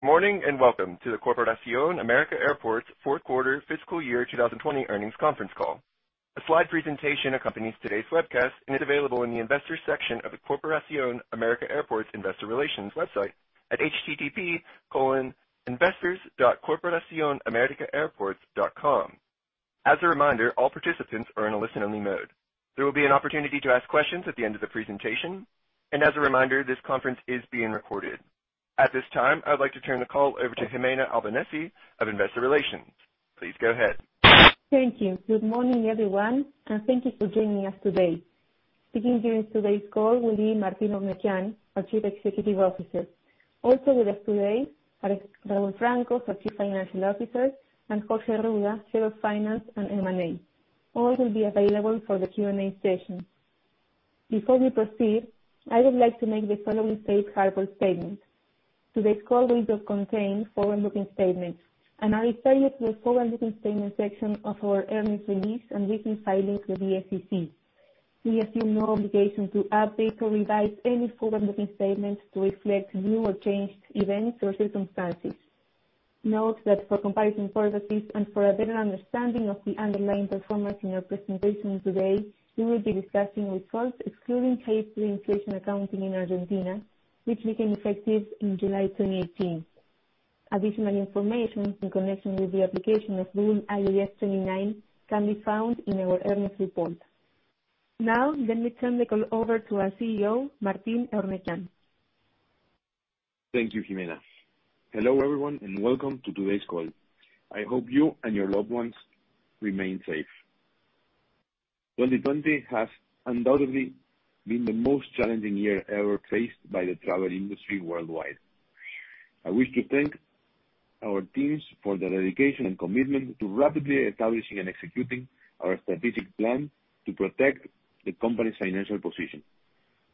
Morning, welcome to the Corporación América Airports fourth quarter fiscal year 2020 earnings conference call. A slide presentation accompanies today's webcast and is available in the Investors section of the Corporación América Airports Investor Relations website at http://investors.corporacionamericaairports.com. As a reminder, all participants are in a listen-only mode. There will be an opportunity to ask questions at the end of the presentation, and as a reminder, this conference is being recorded. At this time, I would like to turn the call over to Gimena Albanesi of Investor Relations. Please go ahead. Thank you. Good morning, everyone, and thank you for joining us today. Speaking during today's call will be Martín Eurnekian, our Chief Executive Officer. Also with us today are Raúl Francos, our Chief Financial Officer, and Jorge Arruda, Head of Finance and M&A. All will be available for the Q&A session. Before we proceed, I would like to make the following safe harbor statement. Today's call will contain forward-looking statements, and I refer you to the forward-looking statements section of our earnings release and recent filings with the SEC. We assume no obligation to update or revise any forward-looking statements to reflect new or changed events or circumstances. Note that for comparison purposes and for a better understanding of the underlying performance in our presentation today, we will be discussing results excluding tax inflation accounting in Argentina, which became effective in July 2018. Additional information in connection with the application of Rule IAS 29 can be found in our earnings report. Now, let me turn the call over to our CEO, Martín Eurnekian. Thank you, Gimena. Hello, everyone, welcome to today's call. I hope you and your loved ones remain safe. 2020 has undoubtedly been the most challenging year ever faced by the travel industry worldwide. I wish to thank our teams for their dedication and commitment to rapidly establishing and executing our strategic plan to protect the company's financial position,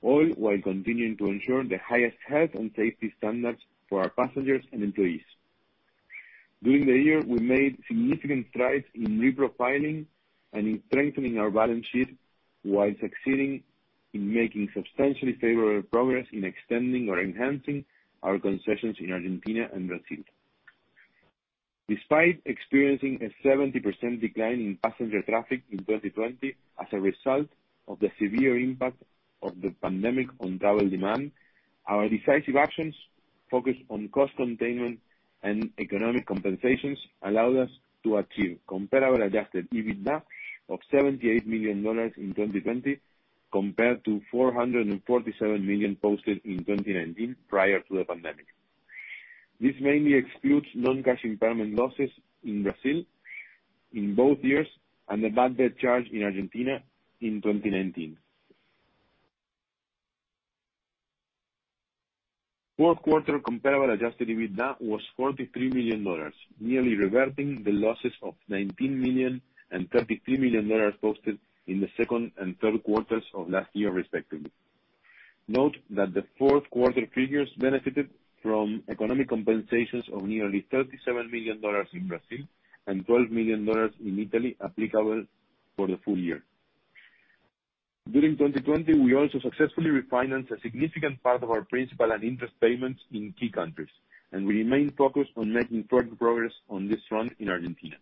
all while continuing to ensure the highest health and safety standards for our passengers and employees. During the year, we made significant strides in reprofiling and in strengthening our balance sheet, while succeeding in making substantially favorable progress in extending or enhancing our concessions in Argentina and Brazil. Despite experiencing a 70% decline in passenger traffic in 2020 as a result of the severe impact of the pandemic on travel demand, our decisive actions focused on cost containment and economic compensations allowed us to achieve comparable adjusted EBITDA of $78 million in 2020, compared to $447 million posted in 2019 prior to the pandemic. This mainly excludes non-cash impairment losses in Brazil in both years and a bad debt charge in Argentina in 2019. Fourth quarter comparable adjusted EBITDA was $43 million, nearly reverting the losses of $19 million and $33 million posted in the second and third quarters of last year, respectively. Note that the fourth quarter figures benefited from economic compensations of nearly $37 million in Brazil and $12 million in Italy applicable for the full year. During 2020, we also successfully refinanced a significant part of our principal and interest payments in key countries, and we remain focused on making further progress on this front in Argentina.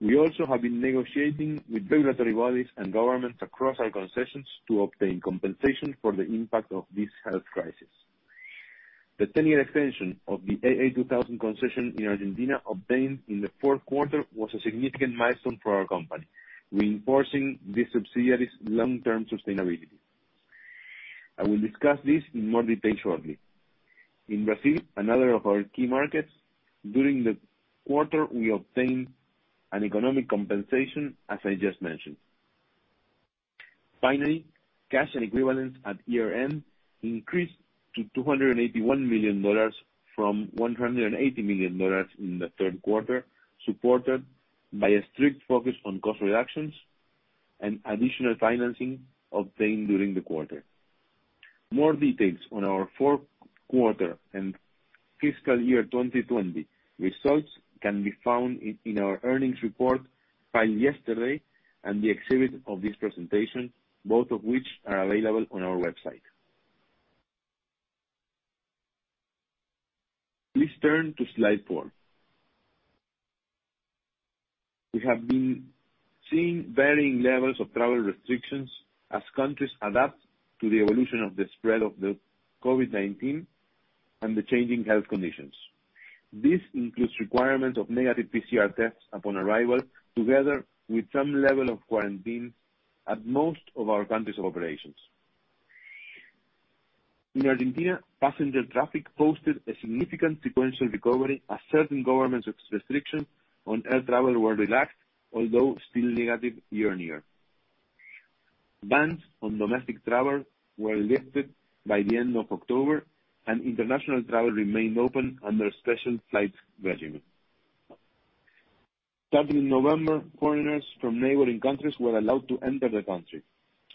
We also have been negotiating with regulatory bodies and governments across our concessions to obtain compensation for the impact of this health crisis. The 10-year extension of the AA2000 concession in Argentina obtained in the fourth quarter was a significant milestone for our company, reinforcing this subsidiary's long-term sustainability. I will discuss this in more detail shortly. In Brazil, another of our key markets, during the quarter, we obtained an economic compensation, as I just mentioned. Finally, cash and equivalents at year-end increased to $281 million from $180 million in the third quarter, supported by a strict focus on cost reductions and additional financing obtained during the quarter. More details on our fourth quarter and fiscal year 2020 results can be found in our earnings report filed yesterday and the exhibit of this presentation, both of which are available on our website. Please turn to slide four. We have been seeing varying levels of travel restrictions as countries adapt to the evolution of the spread of the COVID-19 and the changing health conditions. This includes requirements of negative PCR tests upon arrival, together with some level of quarantine at most of our countries of operations. In Argentina, passenger traffic posted a significant sequential recovery as certain government restrictions on air travel were relaxed, although still negative year-on-year. International travel remained open under a special flight regimen. Bans on domestic travel were lifted by the end of October. Starting November, foreigners from neighboring countries were allowed to enter the country.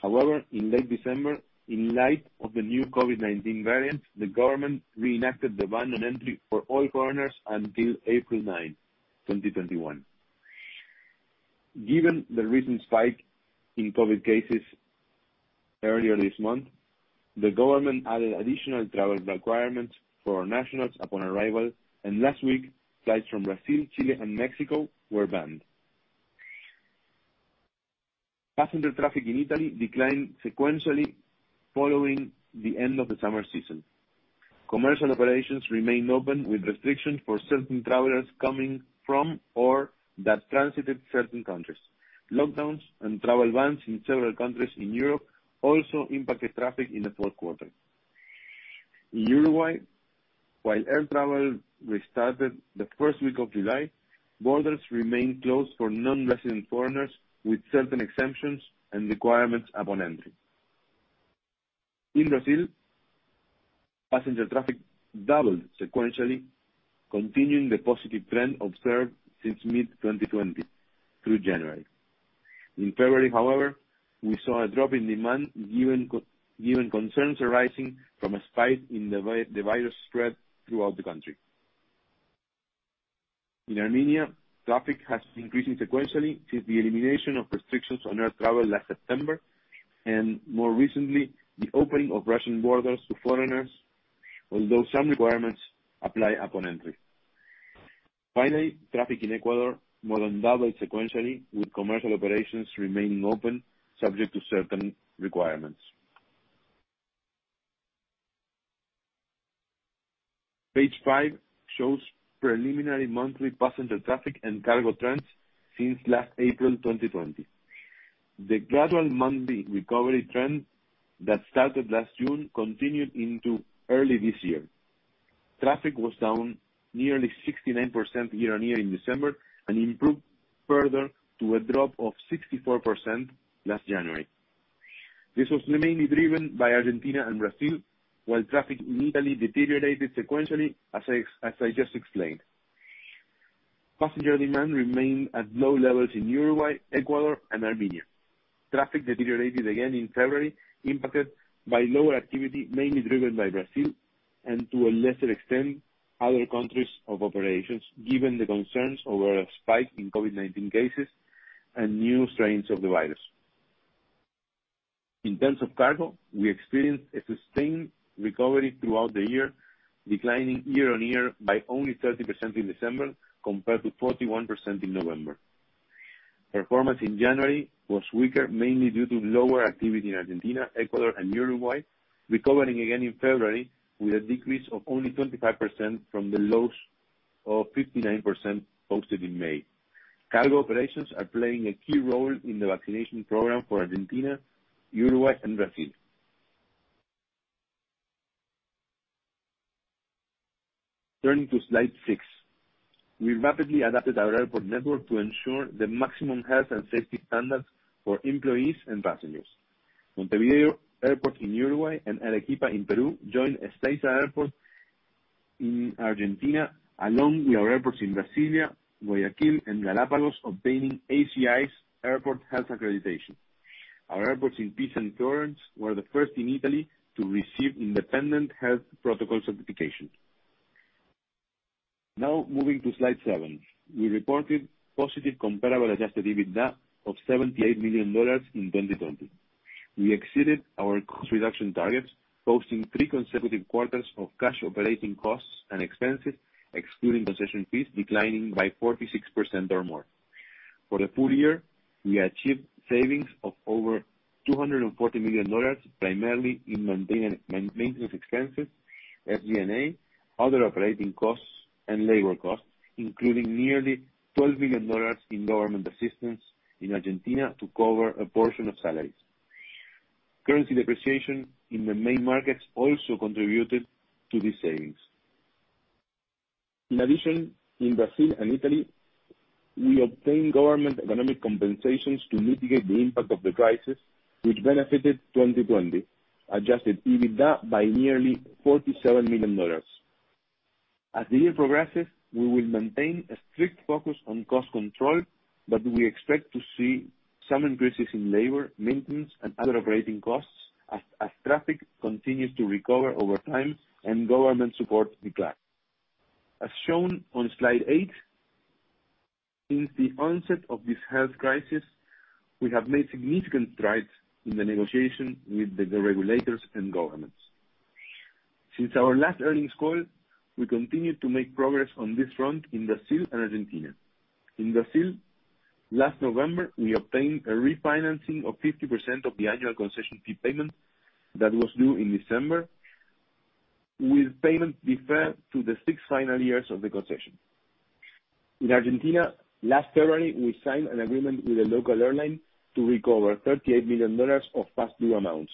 In late December, in light of the new COVID-19 variant, the government reenacted the ban on entry for all foreigners until April 9, 2021. Given the recent spike in COVID cases earlier this month, the government added additional travel requirements for nationals upon arrival, and last week, flights from Brazil, Chile, and Mexico were banned. Passenger traffic in Italy declined sequentially following the end of the summer season. Commercial operations remained open with restrictions for certain travelers coming from or that transited certain countries. Lockdowns and travel bans in several countries in Europe also impacted traffic in the fourth quarter. In Uruguay, while air travel restarted the first week of July, borders remained closed for non-resident foreigners, with certain exemptions and requirements upon entry. In Brazil, passenger traffic doubled sequentially, continuing the positive trend observed since mid-2020 through January. In February, however, we saw a drop in demand given concerns arising from a spike in the virus spread throughout the country. In Armenia, traffic has been increasing sequentially since the elimination of restrictions on air travel last September and more recently, the opening of Russian borders to foreigners, although some requirements apply upon entry. Finally, traffic in Ecuador more than doubled sequentially, with commercial operations remaining open, subject to certain requirements. Page five shows preliminary monthly passenger traffic and cargo trends since last April 2020. The gradual monthly recovery trend that started last June continued into early this year. Traffic was down nearly 69% year-on-year in December, and improved further to a drop of 64% last January. This was mainly driven by Argentina and Brazil, while traffic in Italy deteriorated sequentially, as I just explained. Passenger demand remained at low levels in Uruguay, Ecuador, and Armenia. Traffic deteriorated again in February, impacted by lower activity, mainly driven by Brazil and, to a lesser extent, other countries of operations, given the concerns over a spike in COVID-19 cases and new strains of the virus. In terms of cargo, we experienced a sustained recovery throughout the year, declining year-on-year by only 30% in December compared to 41% in November. Performance in January was weaker, mainly due to lower activity in Argentina, Ecuador, and Uruguay, recovering again in February with a decrease of only 25% from the lows of 59% posted in May. Cargo operations are playing a key role in the vaccination program for Argentina, Uruguay, and Brazil. Turning to slide six. We rapidly adapted our airport network to ensure the maximum health and safety standards for employees and passengers. Montevideo Airport in Uruguay and Arequipa in Peru joined Ezeiza Airport in Argentina, along with our airports in Brasilia, Guayaquil, and Galapagos obtaining ACI's Airport Health Accreditation. Our airports in Pisa and Florence were the first in Italy to receive independent health protocol certification. Now moving to slide seven. We reported positive comparable adjusted EBITDA of $78 million in 2020. We exceeded our cost reduction targets, posting three consecutive quarters of cash operating costs and expenses, excluding concession fees, declining by 46% or more. For the full year, we achieved savings of over $240 million, primarily in maintenance expenses, SG&A, other operating costs, and labor costs, including nearly $12 million in government assistance in Argentina to cover a portion of salaries. Currency depreciation in the main markets also contributed to these savings. In addition, in Brazil and Italy, we obtained government economic compensations to mitigate the impact of the crisis, which benefited 2020, adjusted EBITDA by nearly $47 million. As the year progresses, we will maintain a strict focus on cost control, but we expect to see some increases in labor, maintenance, and other operating costs as traffic continues to recover over time and government support declines. As shown on slide eight, since the onset of this health crisis, we have made significant strides in the negotiation with the regulators and governments. Since our last earnings call, we continued to make progress on this front in Brazil and Argentina. In Brazil, last November, we obtained a refinancing of 50% of the annual concession fee payment that was due in December, with payment deferred to the six final years of the concession. In Argentina, last February, we signed an agreement with a local airline to recover $38 million of past due amounts.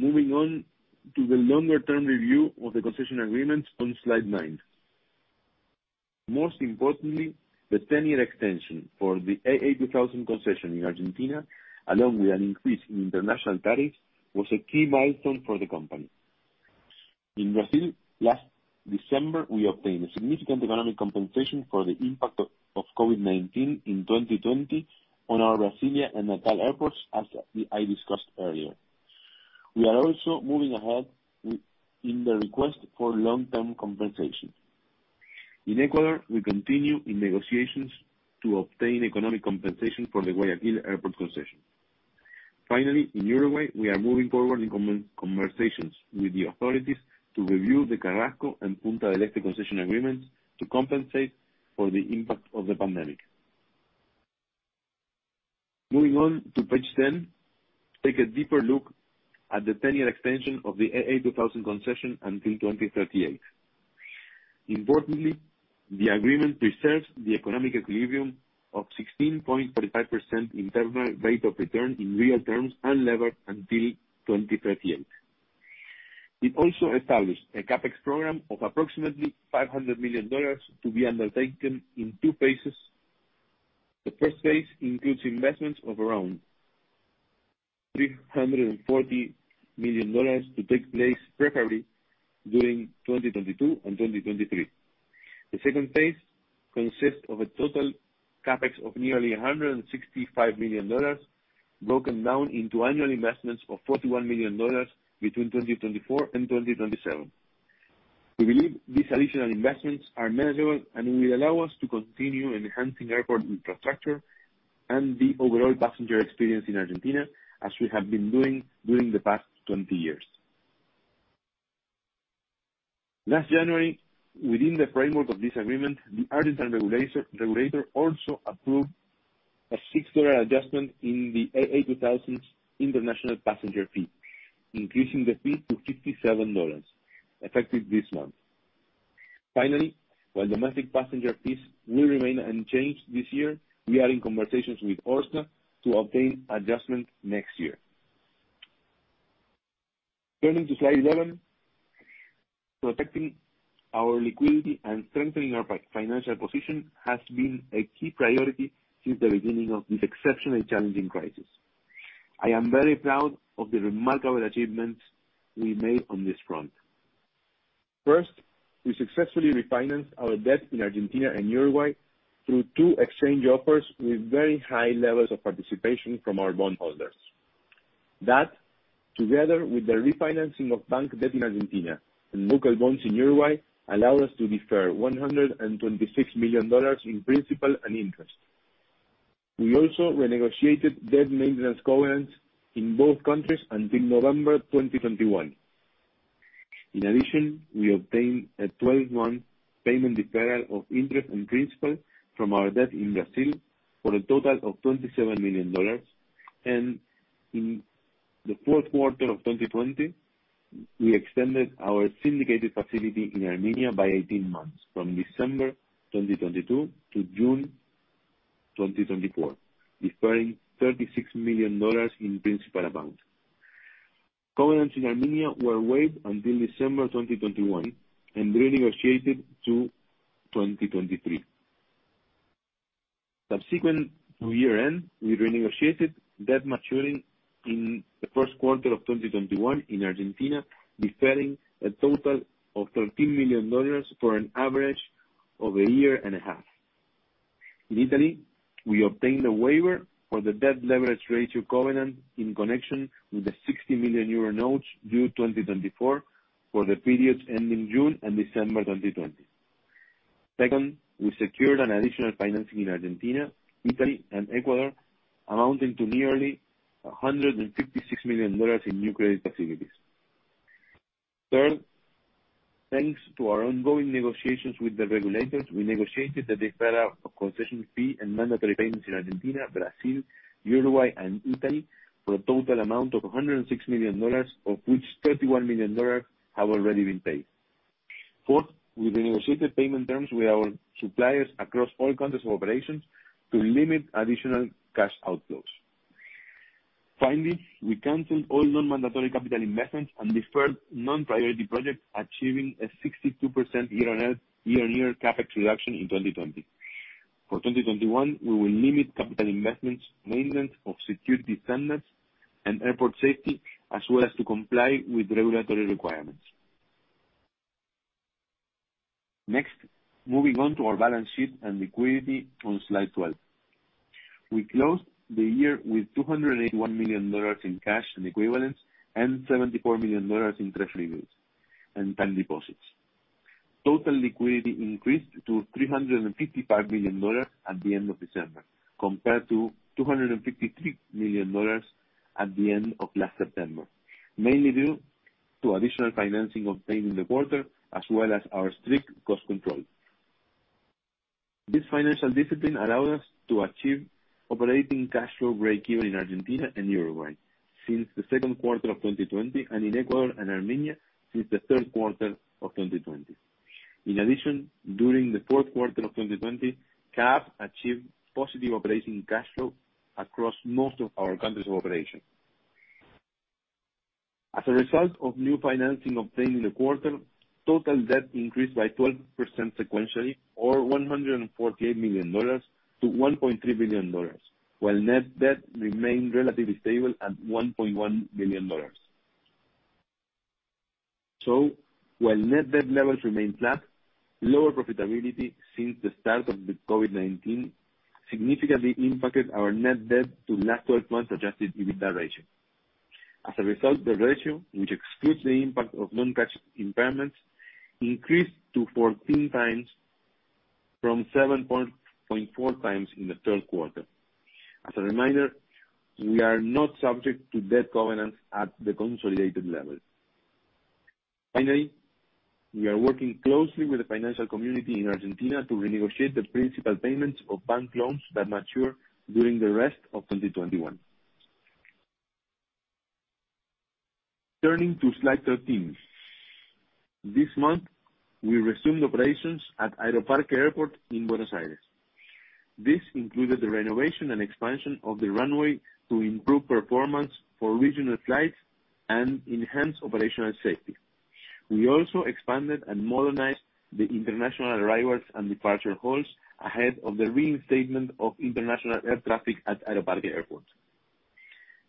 Moving on to the longer-term review of the concession agreements on slide nine. Most importantly, the 10-year extension for the AA2000 concession in Argentina, along with an increase in international tariffs, was a key milestone for the company. In Brazil, last December, we obtained a significant economic compensation for the impact of COVID-19 in 2020 on our Brasilia and Natal airports, as I discussed earlier. We are also moving ahead in the request for long-term compensation. In Ecuador, we continue in negotiations to obtain economic compensation for the Guayaquil Airport concession. Finally, in Uruguay, we are moving forward in conversations with the authorities to review the Carrasco and Punta del Este concession agreements to compensate for the impact of the pandemic. Moving on to page 10, take a deeper look at the 10-year extension of the AA2000 concession until 2038. Importantly, the agreement preserves the economic equilibrium of 16.35% internal rate of return in real terms unlevered until 2038. It also established a CapEx program of approximately $500 million to be undertaken in two phases. The first phase includes investments of around $340 million to take place preferably during 2022 and 2023. The second phase consists of a total CapEx of nearly $165 million, broken down into annual investments of $41 million between 2024 and 2027. We believe these additional investments are manageable and will allow us to continue enhancing airport infrastructure and the overall passenger experience in Argentina, as we have been doing during the past 20 years. Last January, within the framework of this agreement, the Argentine regulator also approved a $6 adjustment in the AA2000's international passenger fee, increasing the fee to $57, effective this month. While domestic passenger fees will remain unchanged this year, we are in conversations with ORSNA to obtain adjustment next year. Turning to slide 11, protecting our liquidity and strengthening our financial position has been a key priority since the beginning of this exceptionally challenging crisis. I am very proud of the remarkable achievements we made on this front. First, we successfully refinanced our debt in Argentina and Uruguay through two exchange offers with very high levels of participation from our bondholders. Together with the refinancing of bank debt in Argentina and local bonds in Uruguay, allowed us to defer $126 million in principal and interest. We also renegotiated debt maintenance covenants in both countries until November 2021. In addition, we obtained a 12-month payment deferral of interest and principal from our debt in Brazil for a total of $27 million. In the fourth quarter of 2020, we extended our syndicated facility in Armenia by 18 months, from December 2022 to June 2024, deferring $36 million in principal amount. Covenants in Armenia were waived until December 2021 and renegotiated to 2023. Subsequent to year-end, we renegotiated debt maturing in the first quarter of 2021 in Argentina, deferring a total of $13 million for an average of a year and a half. In Italy, we obtained a waiver for the debt leverage ratio covenant in connection with the €60 million notes due 2024 for the periods ending June and December 2020. Second, we secured additional financing in Argentina, Italy, and Ecuador amounting to nearly $156 million in new credit facilities. Third, thanks to our ongoing negotiations with the regulators, we negotiated the deferral of concession fee and mandatory payments in Argentina, Brazil, Uruguay, and Italy for a total amount of $106 million, of which $31 million have already been paid. Fourth, we renegotiated payment terms with our suppliers across all countries of operations to limit additional cash outflows. Finally, we canceled all non-mandatory capital investments and deferred non-priority projects, achieving a 62% year-on-year CapEx reduction in 2020. For 2021, we will limit capital investments, maintenance of security standards, and airport safety, as well as to comply with regulatory requirements. Next, moving on to our balance sheet and liquidity on slide 12. We closed the year with $281 million in cash and equivalents and $74 million in treasury bills and time deposits. Total liquidity increased to $355 million at the end of December, compared to $253 million at the end of last September, mainly due to additional financing obtained in the quarter, as well as our strict cost control. This financial discipline allowed us to achieve operating cash flow breakeven in Argentina and Uruguay since the second quarter of 2020, and in Ecuador and Armenia since the third quarter of 2020. In addition, during the fourth quarter of 2020, CAAP achieved positive operating cash flow across most of our countries of operation. As a result of new financing obtained in the quarter, total debt increased by 12% sequentially, or $148 million to $1.3 billion, while net debt remained relatively stable at $1.1 billion. While net debt levels remain flat, lower profitability since the start of the COVID-19 significantly impacted our net debt to last 12 months adjusted EBITDA ratio. As a result, the ratio, which excludes the impact of non-cash impairments, increased to 14 times from 7.4 times in the third quarter. As a reminder, we are not subject to debt covenants at the consolidated level. We are working closely with the financial community in Argentina to renegotiate the principal payments of bank loans that mature during the rest of 2021. Turning to slide 13. This month, we resumed operations at Aeroparque Airport in Buenos Aires. This included the renovation and expansion of the runway to improve performance for regional flights and enhance operational safety. We also expanded and modernized the international arrivals and departure halls ahead of the reinstatement of international air traffic at Aeroparque Airport.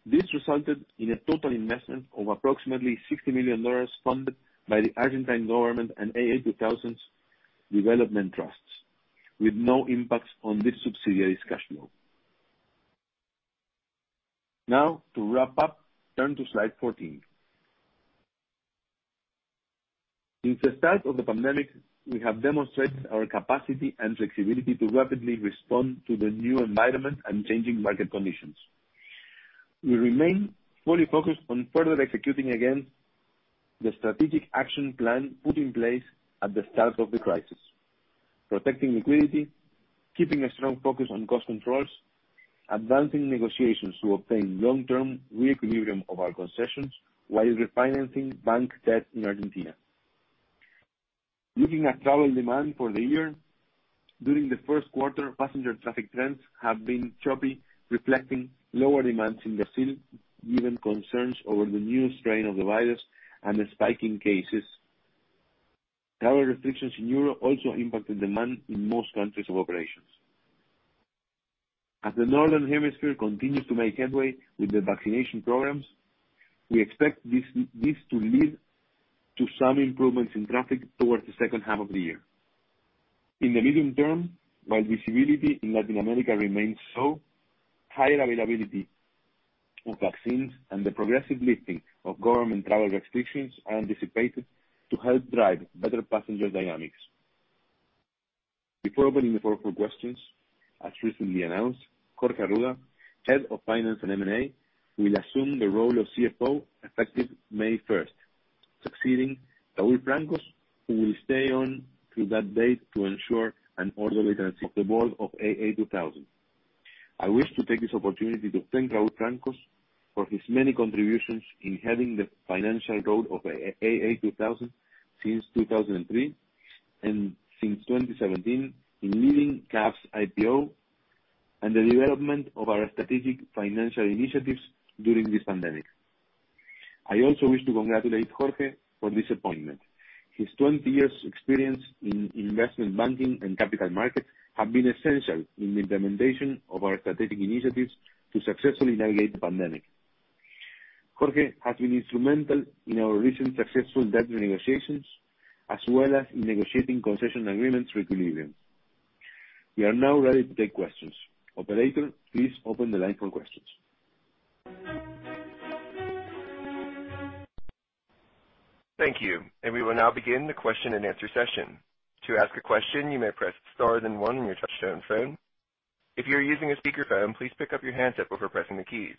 This resulted in a total investment of approximately $60 million, funded by the Argentine government and AA2000's development trusts, with no impacts on this subsidiary's cash flow. To wrap up, turn to slide 14. Since the start of the pandemic, we have demonstrated our capacity and flexibility to rapidly respond to the new environment and changing market conditions. We remain fully focused on further executing again the strategic action plan put in place at the start of the crisis, protecting liquidity, keeping a strong focus on cost controls, advancing negotiations to obtain long-term reequilibrium of our concessions while refinancing bank debt in Argentina. Looking at travel demand for the year, during the first quarter, passenger traffic trends have been choppy, reflecting lower demands in Brazil, given concerns over the new strain of the virus and the spike in cases. Travel restrictions in Europe also impacted demand in most countries of operations. As the Northern Hemisphere continues to make headway with the vaccination programs, we expect this to lead to some improvements in traffic towards the second half of the year. In the medium term, while visibility in Latin America remains slow, higher availability of vaccines and the progressive lifting of government travel restrictions are anticipated to help drive better passenger dynamics. Before opening the floor for questions, as recently announced, Jorge Arruda, Head of Finance and M&A, will assume the role of CFO effective May 1st, succeeding Raúl Francos, who will stay on through that date to ensure an orderly transition of the board of AA2000. I wish to take this opportunity to thank Raúl Francos for his many contributions in heading the financial road of AA2000 since 2003, and since 2017 in leading CAAP's IPO and the development of our strategic financial initiatives during this pandemic. I also wish to congratulate Jorge for this appointment. His 20 years' experience in investment banking and capital markets have been essential in the implementation of our strategic initiatives to successfully navigate the pandemic. Jorge has been instrumental in our recent successful debt renegotiations, as well as in negotiating concession agreements reequilibrium. We are now ready to take questions. Operator, please open the line for questions. Thank you. We will now begin the question and answer session. To ask a question, you may press star then one on your touch tone phone. If you are using a speakerphone, please pick up your handset before pressing the keys.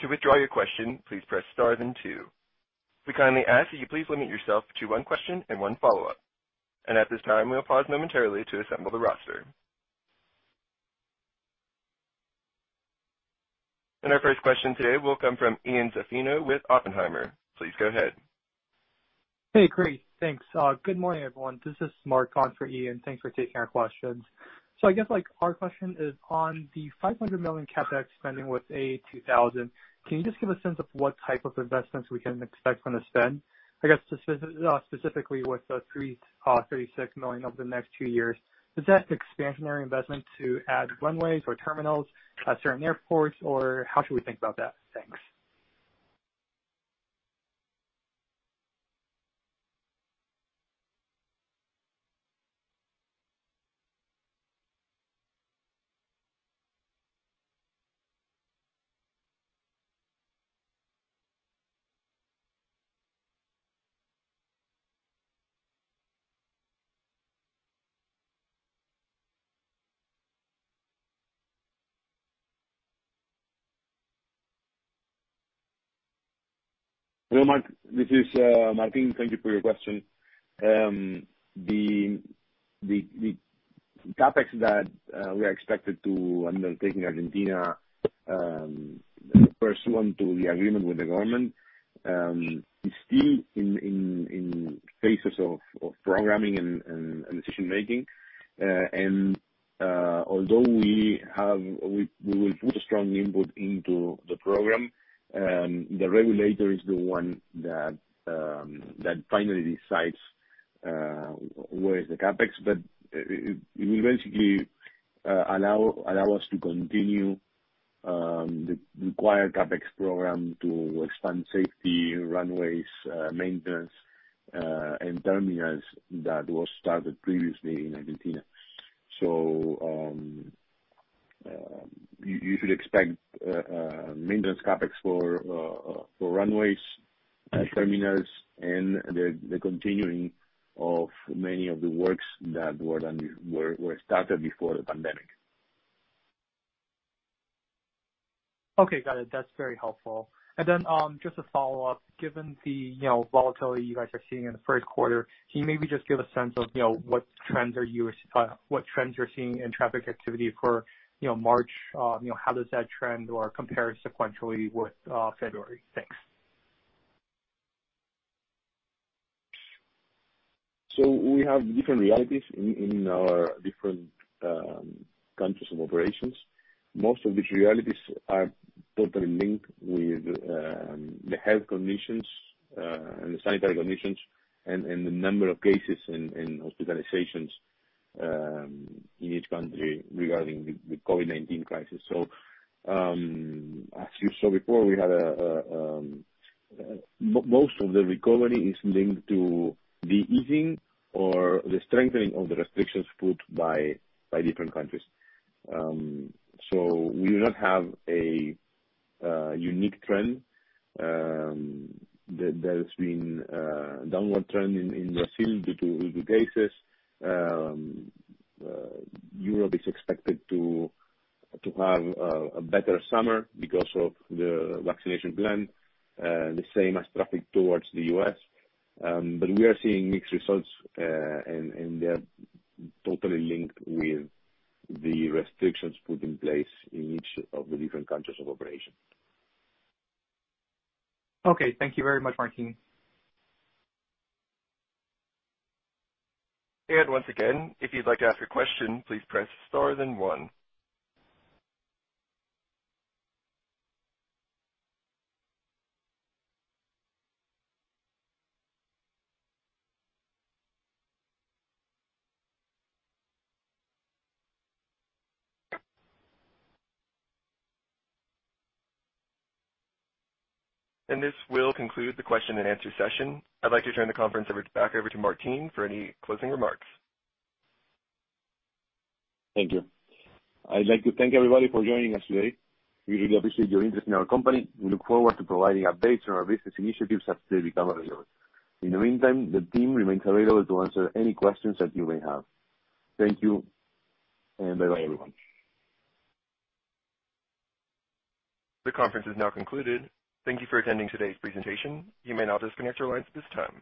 To withdraw your question, please press star then two. We kindly ask that you please limit yourself to one question and one follow-up. At this time, we'll pause momentarily to assemble the roster. Our first question today will come from Ian Zaffino with Oppenheimer. Please go ahead. Hey, great. Thanks. Good morning, everyone. This is Mark on for Ian. Thanks for taking our questions. I guess our question is on the $500 million CapEx spending with AA2000. Can you just give a sense of what type of investments we can expect from the spend? I guess, specifically with the $336 million over the next two years. Is that expansionary investment to add runways or terminals at certain airports, or how should we think about that? Thanks. Hello, Mark. This is Martín. Thank you for your question. The CapEx that we are expected to undertake in Argentina, pursuant to the agreement with the government, is still in phases of programming and decision-making. Although we will put a strong input into the program, the regulator is the one that finally decides where is the CapEx, but it will basically allow us to continue the required CapEx program to expand safety runways maintenance and terminals that was started previously in Argentina. You should expect maintenance CapEx for runways, terminals, and the continuing of many of the works that were started before the pandemic. Okay, got it. That's very helpful. Just a follow-up, given the volatility you guys are seeing in the first quarter, can you maybe just give a sense of what trends you're seeing in traffic activity for March? How does that trend or compare sequentially with February? Thanks. We have different realities in our different countries of operations. Most of these realities are totally linked with the health conditions, and the sanitary conditions, and the number of cases and hospitalizations in each country regarding the COVID-19 crisis. As you saw before, most of the recovery is linked to the easing or the strengthening of the restrictions put by different countries. We do not have a unique trend. There has been a downward trend in Brazil due to cases. Europe is expected to have a better summer because of the vaccination plan, the same as traffic towards the U.S. We are seeing mixed results, and they are totally linked with the restrictions put in place in each of the different countries of operation. Okay. Thank you very much, Martín. Once again, if you'd like to ask a question, please press star then one. This will conclude the question and answer session. I'd like to turn the conference back over to Martín for any closing remarks. Thank you. I'd like to thank everybody for joining us today. We really appreciate your interest in our company. We look forward to providing updates on our business initiatives as they become available. In the meantime, the team remains available to answer any questions that you may have. Thank you, and bye-bye, everyone. The conference is now concluded. Thank you for attending today's presentation. You may now disconnect your lines at this time.